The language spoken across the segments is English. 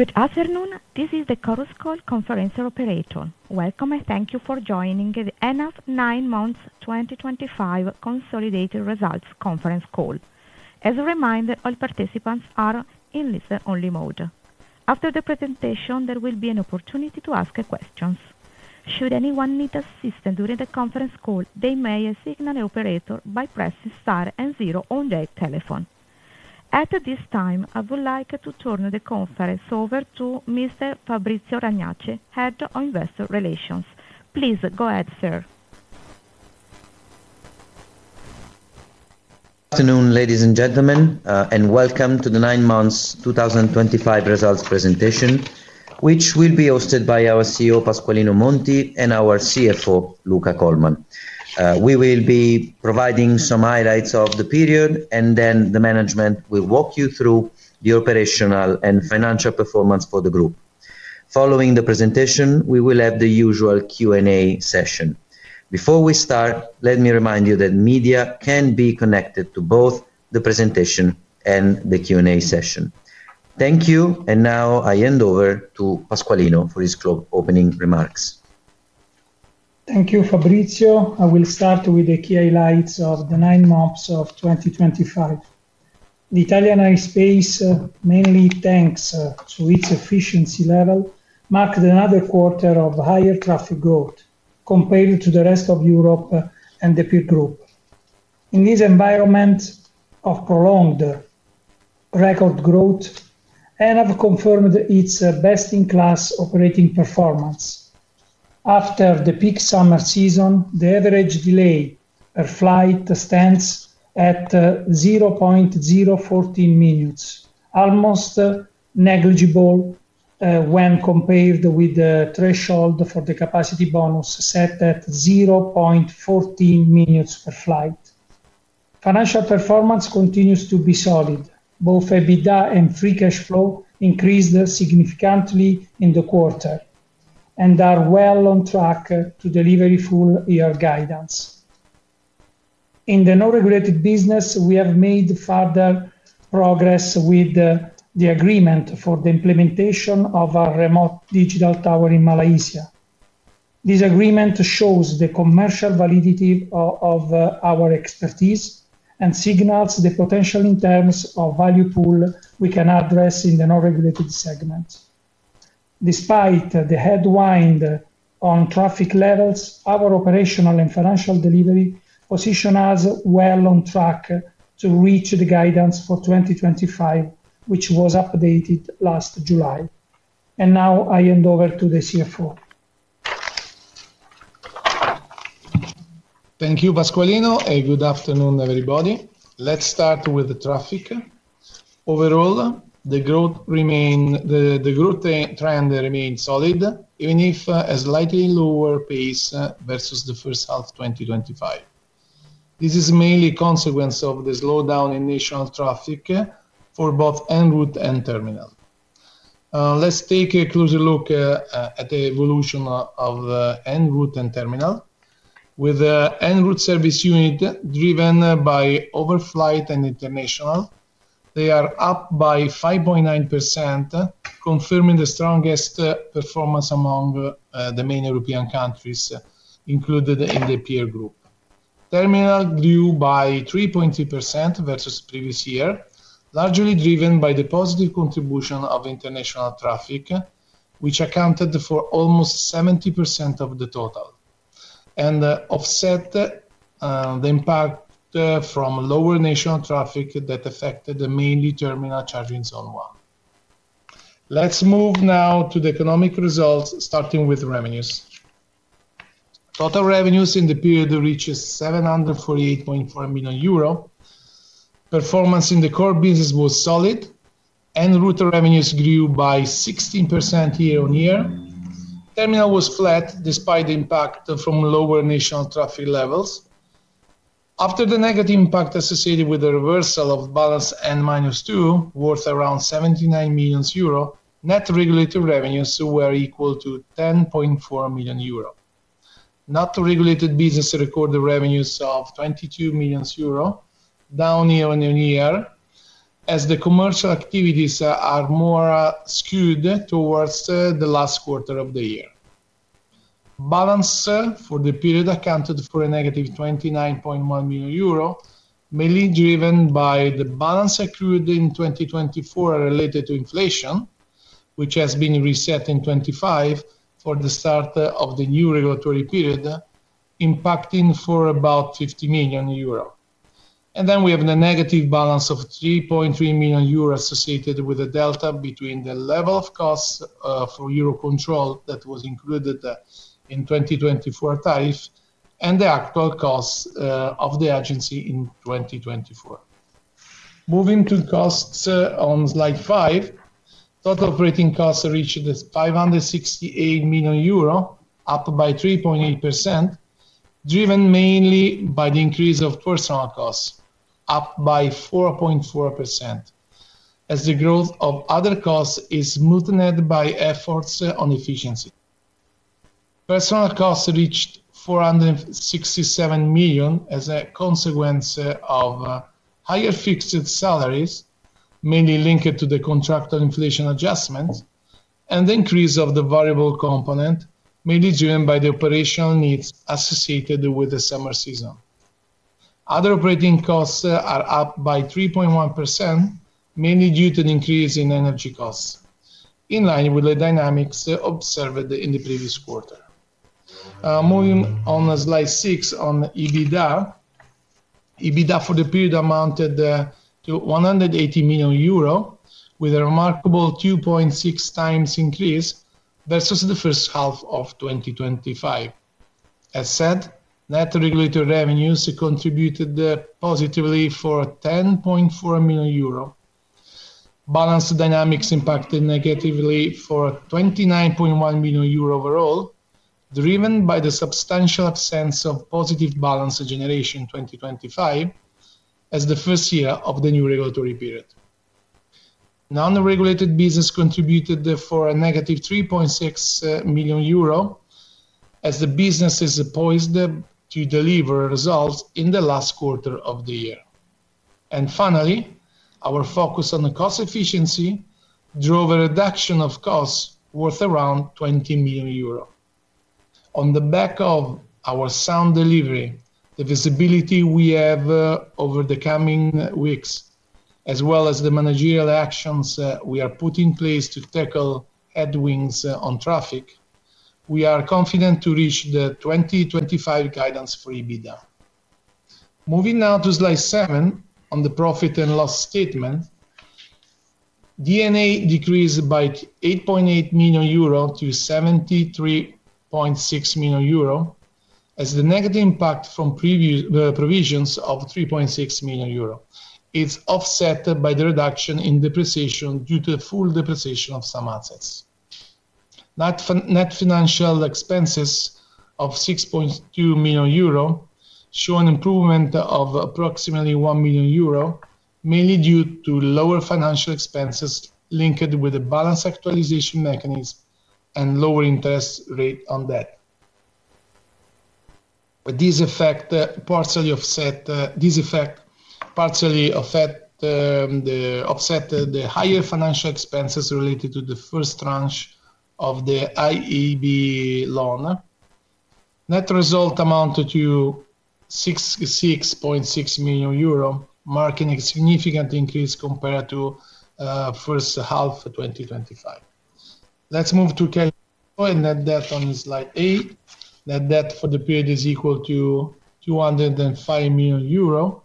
Good afternoon. This is the Chorus Call conference operator. Welcome and thank you for joining the ENAV nine months 2025 consolidated results conference call. As a reminder, all participants are in listen-only mode. After the presentation, there will be an opportunity to ask questions. Should anyone need assistance during the conference call, they may signal the operator by pressing star and zero on their telephone. At this time, I would like to turn the conference over to Mr. Fabrizio Ragnacci, Head of Investor Relations. Please go ahead, sir. Good afternoon, ladies and gentlemen, and welcome to the nine months 2025 results presentation, which will be hosted by our CEO, Pasqualino Monti, and our CFO, Luca Colman. We will be providing some highlights of the period, and then the management will walk you through the operational and financial performance for the group. Following the presentation, we will have the usual Q&A session. Before we start, let me remind you that media can be connected to both the presentation and the Q&A session. Thank you, and now I hand over to Pasqualino for his opening remarks. Thank you, Fabrizio. I will start with the key highlights of the nine months of 2025. The Italian airspace, mainly thanks to its efficiency level, marked another quarter of higher traffic growth compared to the rest of Europe and the peer group. In this environment of prolonged record growth, ENAV confirmed its best-in-class operating performance. After the peak summer season, the average delay per flight stands at 0.014 minutes, almost negligible when compared with the threshold for the capacity bonus set at 0.14 minutes per flight. Financial performance continues to be solid. Both EBITDA and free cash flow increased significantly in the quarter and are well on track to deliver full-year guidance. In the non-regulated business, we have made further progress with the agreement for the implementation of a remote digital tower in Malaysia. This agreement shows the commercial validity of our expertise and signals the potential in terms of value pool we can address in the non-regulated segment. Despite the headwind on traffic levels, our operational and financial delivery position us well on track to reach the guidance for 2025, which was updated last July. I hand over to the CFO. Thank you, Pasqualino, and good afternoon, everybody. Let's start with the traffic. Overall, the growth trend remains solid, even if at a slightly lower pace versus the first half of 2025. This is mainly a consequence of the slowdown in national traffic for both en route and terminal. Let's take a closer look at the evolution of en route and terminal. With the en route service unit driven by overflight and international, they are up by 5.9%, confirming the strongest performance among the main European countries included in the peer group. Terminal grew by 3.3% versus previous year, largely driven by the positive contribution of international traffic, which accounted for almost 70% of the total, and offset the impact from lower national traffic that affected the mainly terminal charging zone one. Let's move now to the economic results, starting with revenues. Total revenues in the period reached 748.4 million euro. Performance in the core business was solid. En route revenues grew by 16% year-on-year. Terminal was flat despite the impact from lower national traffic levels. After the negative impact associated with the reversal of balance and minus two, worth around 79 million euro, net regulated revenues were equal to 10.4 million euro. Non-regulated business recorded revenues of 22 million euro, down year-on-year as the commercial activities are more skewed towards the last quarter of the year. Balance for the period accounted for a -29.1 million euro, mainly driven by the balance accrued in 2024 related to inflation, which has been reset in 2025 for the start of the new regulatory period, impacting for about 50 million euro. We have the negative balance of 3.3 million euro associated with a delta between the level of costs for EUROCONTROL that was included in the 2024 tariff and the actual costs of the agency in 2024. Moving to costs on slide five, total operating costs reached 568 million euro, up by 3.8%, driven mainly by the increase of personnel costs, up by 4.4%, as the growth of other costs is smoothed by efforts on efficiency. Personnel costs reached 467 million as a consequence of higher fixed salaries, mainly linked to the contractual inflation adjustment, and the increase of the variable component, mainly driven by the operational needs associated with the summer season. Other operating costs are up by 3.1%, mainly due to an increase in energy costs, in line with the dynamics observed in the previous quarter. Moving on to slide six on EBITDA. EBITDA for the period amounted to 180 million euro, with a remarkable 2.6 times increase versus the first half of 2025. As said, net regulated revenues contributed positively for 10.4 million euro. Balance dynamics impacted negatively for 29.1 million euro overall, driven by the substantial absence of positive balance generation in 2025 as the first year of the new regulatory period. Non-regulated business contributed for a negative 3.6 million euro as the business is poised to deliver results in the last quarter of the year. Our focus on cost efficiency drove a reduction of costs worth around 20 million euro. On the back of our sound delivery, the visibility we have over the coming weeks, as well as the managerial actions we are putting in place to tackle headwinds on traffic, we are confident to reach the 2025 guidance for EBITDA. Moving now to slide seven on the profit and loss statement. D&A decreased by 8.8 million euro to 73.6 million euro as the negative impact from provisions of 3.6 million euro. It is offset by the reduction in depreciation due to full depreciation of some assets. Net financial expenses of 6.2 million euro show an improvement of approximately 1 million euro, mainly due to lower financial expenses linked with the balance actualization mechanism and lower interest rate on debt. These effects partially offset the higher financial expenses related to the first tranche of the IEB loan. Net result amounted to 6.6 million euro, marking a significant increase compared to the first half of 2025. Let's move to net debt on slide eight. Net debt for the period is equal to 205 million euro,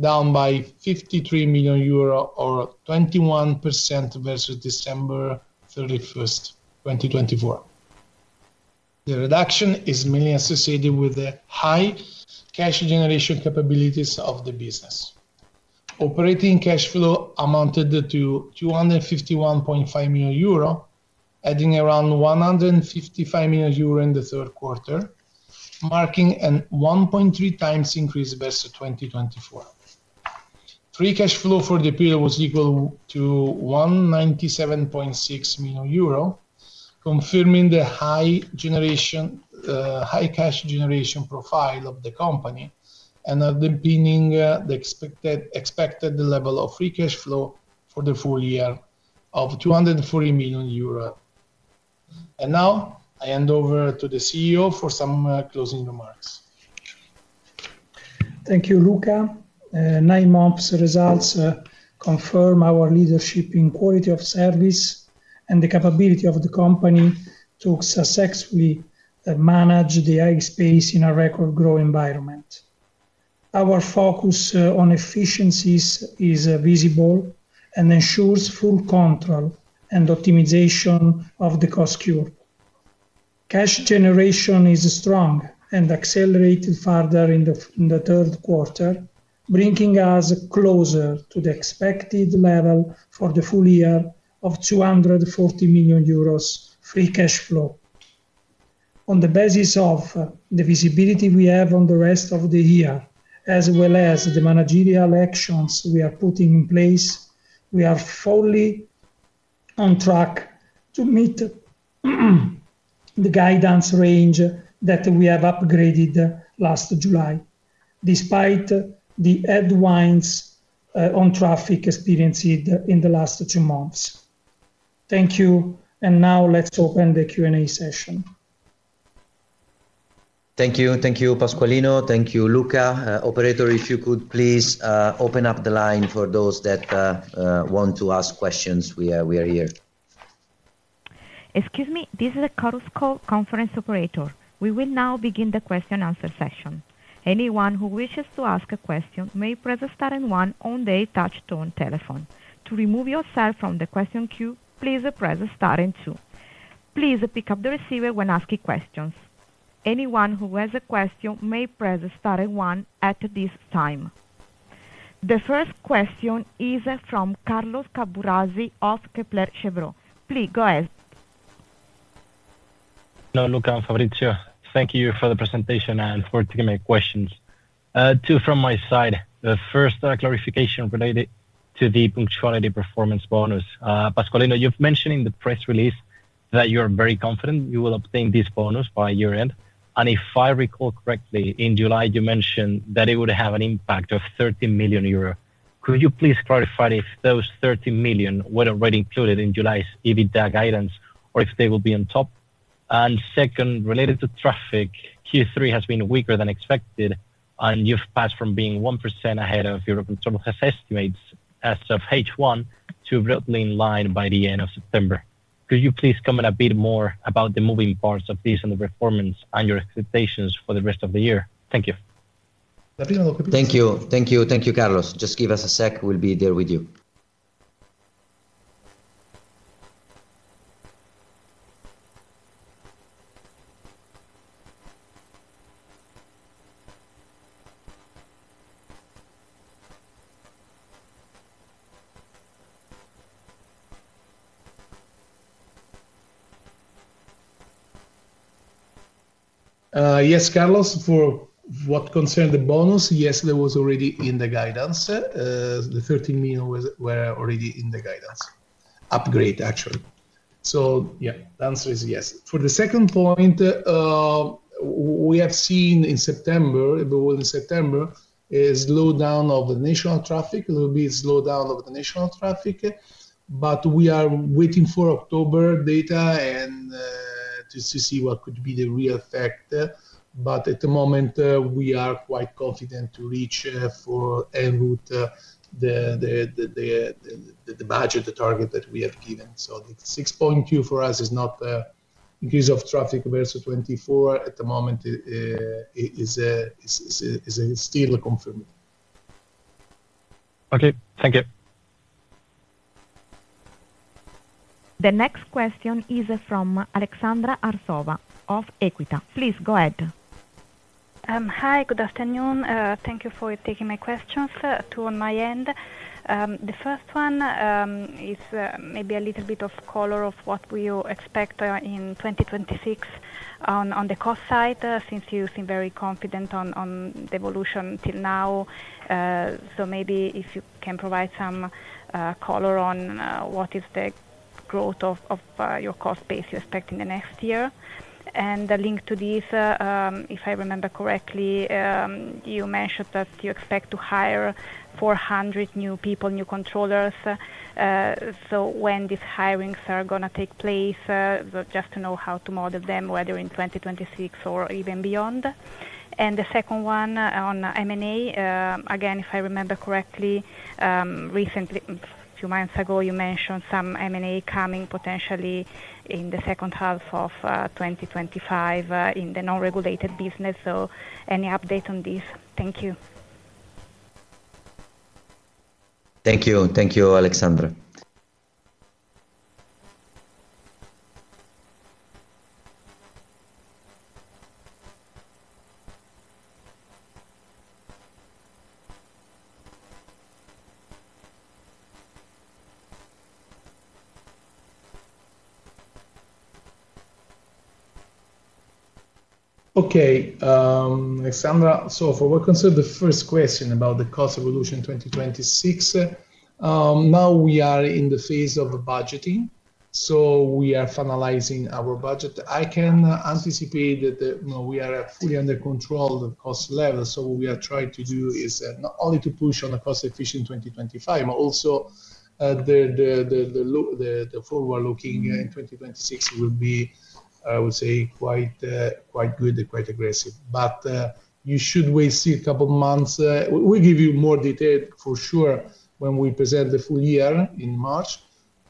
down by 53 million euro, or 21% versus December 31st, 2024. The reduction is mainly associated with the high cash generation capabilities of the business. Operating cash flow amounted to 251.5 million euro, adding around 155 million euro in the third quarter, marking a 1.3 times increase versus 2024. Free cash flow for the period was equal to 197.6 million euro, confirming the high cash generation profile of the company and underpinning the expected level of free cash flow for the full year of 240 million euro. I hand over to the CEO for some closing remarks. Thank you, Luca. Nine months results confirm our leadership in quality of service and the capability of the company to successfully manage the airspace in a record-growing environment. Our focus on efficiencies is visible and ensures full control and optimization of the cost curve. Cash generation is strong and accelerated further in the third quarter, bringing us closer to the expected level for the full year of 240 million euros free cash flow. On the basis of the visibility we have on the rest of the year, as well as the managerial actions we are putting in place, we are fully on track to meet the guidance range that we have upgraded last July, despite the headwinds on traffic experienced in the last two months. Thank you. Now let's open the Q&A session. Thank you. Thank you, Pasqualino. Thank you, Luca. Operator, if you could please open up the line for those that want to ask questions. We are here. Excuse me. This is the Chorus Call conference operator. We will now begin the question-answer session. Anyone who wishes to ask a question may press star and one on the touch-tone telephone. To remove yourself from the question queue, please press star and two. Please pick up the receiver when asking questions. Anyone who has a question may press star and one at this time. The first question is from Carlos Caburrasi of Kepler Cheuvreux. Please go ahead. Hello, Luca, Fabrizio. Thank you for the presentation and for taking my questions. Two from my side. The first clarification related to the punctuality performance bonus. Pasqualino, you've mentioned in the press release that you are very confident you will obtain this bonus by year-end. If I recall correctly, in July, you mentioned that it would have an impact of 30 million euro. Could you please clarify if those 30 million were already included in July's EBITDA guidance, or if they will be on top? Second, related to traffic, Q3 has been weaker than expected, and you've passed from being 1% ahead of your control test estimates as of H1 to be in line by the end of September. Could you please comment a bit more about the moving parts of this and the performance and your expectations for the rest of the year? Thank you. Thank you. Thank you, Carlos. Just give us a sec. We'll be there with you. Yes, Carlos, for what concerns the bonus, yes, that was already in the guidance. The 30 million were already in the guidance. Upgrade, actually. Yes, the answer is yes. For the second point, we have seen in September, in September, a slowdown of the national traffic. There will be a slowdown of the national traffic, but we are waiting for October data to see what could be the real effect. At the moment, we are quite confident to reach for en route the budget, the target that we have given. The 6.2 for us is not an increase of traffic versus 2024. At the moment, it is still confirmed. Okay. Thank you. The next question is from Aleksandra Arsova of Equita. Please go ahead. Hi, good afternoon. Thank you for taking my questions. Two on my end. The first one is maybe a little bit of color of what we expect in 2026 on the cost side, since you seem very confident on the evolution till now. Maybe if you can provide some color on what is the growth of your cost base you expect in the next year. Linked to this, if I remember correctly, you mentioned that you expect to hire 400 new people, new controllers. When these hirings are going to take place, just to know how to model them, whether in 2026 or even beyond. The second one on M&A, again, if I remember correctly, recently, a few months ago, you mentioned some M&A coming potentially in the second half of 2025 in the non-regulated business. Any update on this? Thank you. Thank you. Thank you, Aleksandra. Okay, Aleksandra. For what concerns the first question about the cost evolution in 2026, now we are in the phase of budgeting. We are finalizing our budget. I can anticipate that we are fully under control of the cost level. What we are trying to do is not only to push on the cost efficient 2025, but also the forward looking in 2026 will be, I would say, quite good and quite aggressive. You should wait a couple of months. We will give you more detail for sure when we present the full year in March,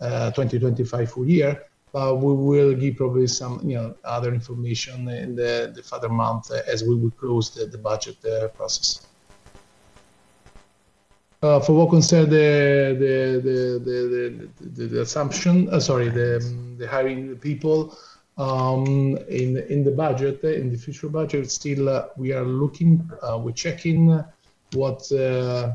2025 full year, but we will give probably some other information in the further months as we will close the budget process. For what concerns the hiring people in the budget, in the future budget, still we are looking, we're checking what is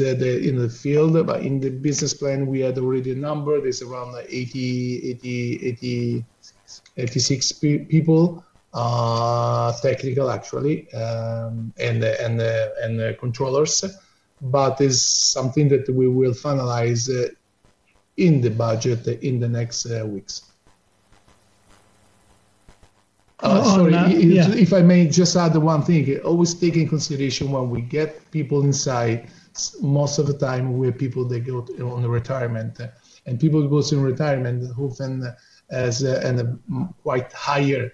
in the field. In the business plan, we had already a number. There's around 86 people, technical actually, and controllers. It is something that we will finalize in the budget in the next weeks. Sorry, if I may just add one thing. Always take in consideration when we get people inside, most of the time we have people that go on retirement. People who go on retirement often have quite higher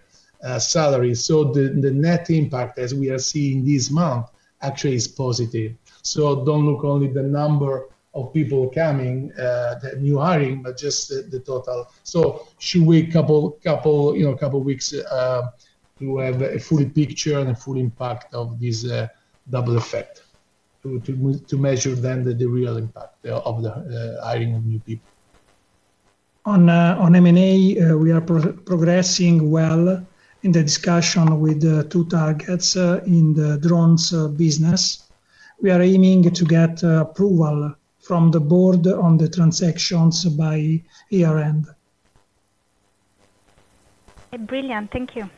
salaries. The net impact, as we are seeing this month, actually is positive. Do not look only at the number of people coming, the new hiring, but just the total. You should wait a couple of weeks to have a full picture and a full impact of this double effect to measure then the real impact of the hiring of new people. On M&A, we are progressing well in the discussion with two targets in the drones business. We are aiming to get approval from the board on the transactions by year-end. Brilliant. Thank you.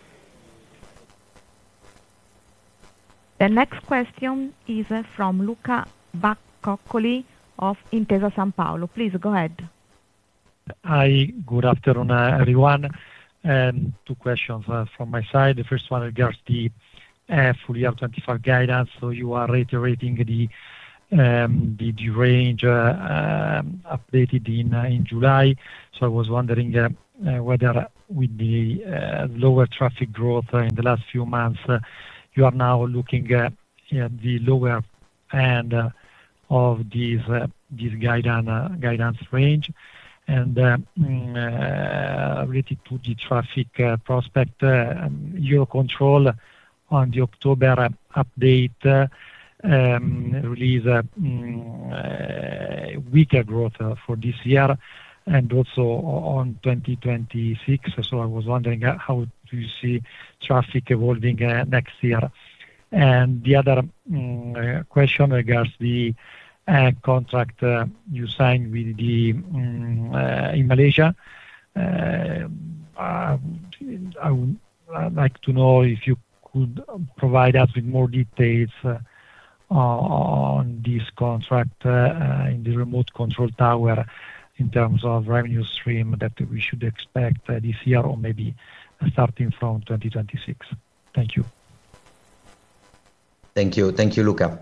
The next question is from Luca Baccocoli of Intesa Sanpaolo. Please go ahead. Hi, good afternoon, everyone. Two questions from my side. The first one regards the full year 2025 guidance. You are reiterating the range updated in July. I was wondering whether with the lower traffic growth in the last few months, you are now looking at the lower end of this guidance range. Related to the traffic prospect, EUROCONTROL on the October update released weaker growth for this year and also on 2026. I was wondering how you see traffic evolving next year. The other question regards the contract you signed in Malaysia. I would like to know if you could provide us with more details on this contract in the remote control tower in terms of revenue stream that we should expect this year or maybe starting from 2026. Thank you. Thank you. Thank you, Luca.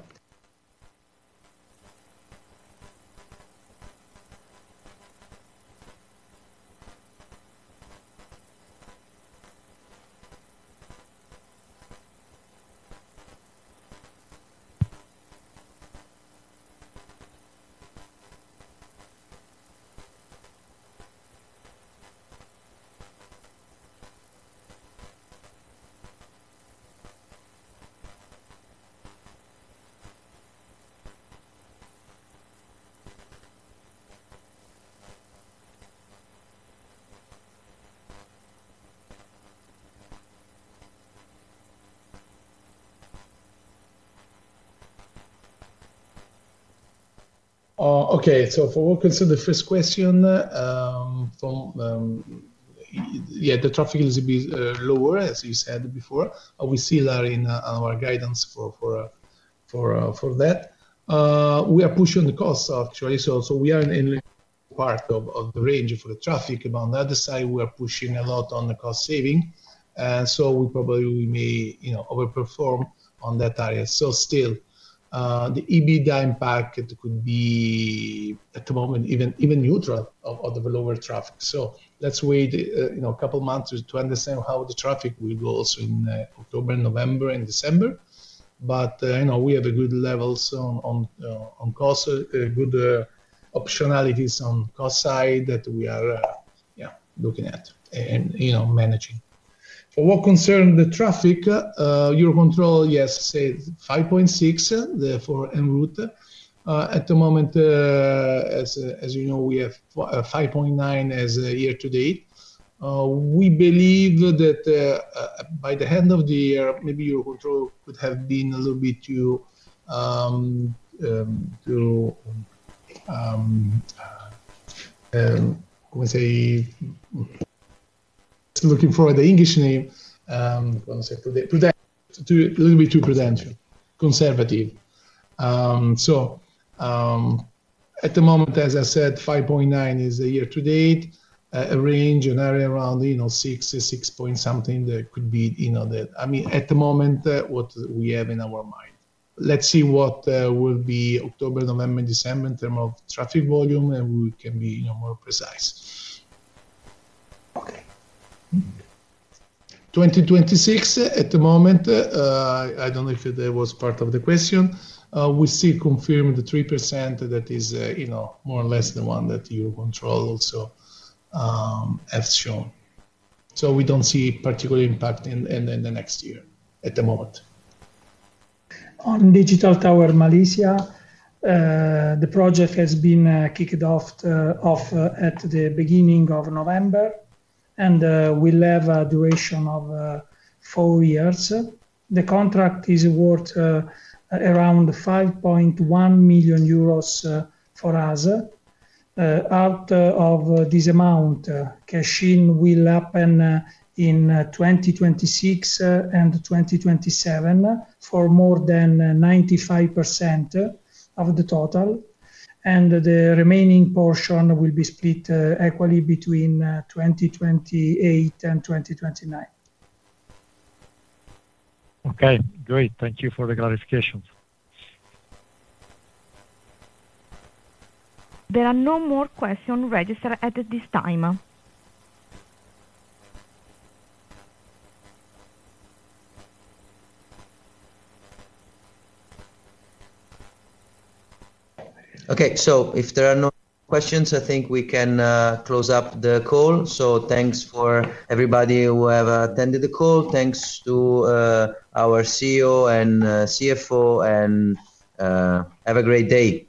Okay. For what concerns the first question, yeah, the traffic is a bit lower, as you said before. We still are in our guidance for that. We are pushing the cost, actually. We are in part of the range for the traffic. On the other side, we are pushing a lot on the cost saving, and we probably may overperform on that area. Still, the EBITDA impact could be at the moment even neutral of the lower traffic. Let's wait a couple of months to understand how the traffic will go also in October, November, and December. We have good levels on cost, good optionalities on the cost side that we are looking at and managing. For what concerns the traffic, EUROCONTROL, yes, says 5.6% for en route. At the moment, as you know, we have 5.9% as year-to-date. We believe that by the end of the year, maybe EUROCONTROL could have been a little bit too, looking for the English name, a little bit too prudential, conservative. At the moment, as I said, 5.9% is year-to-date, a range, an area around 6%, 6 point something that could be the, I mean, at the moment, what we have in our mind. Let's see what will be October, November, December in terms of traffic volume, and we can be more precise. Okay. 2026, at the moment, I don't know if that was part of the question. We still confirm the 3% that is more or less the one that EUROCONTROL also has shown. We don't see particular impact in the next year at the moment. On Digital Tower Malaysia, the project has been kicked off at the beginning of November, and we'll have a duration of four years. The contract is worth around 5.1 million euros for us. Out of this amount, cash-in will happen in 2026 and 2027 for more than 95% of the total. The remaining portion will be split equally between 2028 and 2029. Okay. Great. Thank you for the clarifications. There are no more questions registered at this time. Okay. If there are no questions, I think we can close up the call. Thanks to everybody who have attended the call. Thanks to our CEO and CFO, and have a great day.